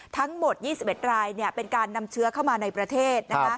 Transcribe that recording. ทั้งหมด๒๑รายเป็นการนำเชื้อเข้ามาในประเทศ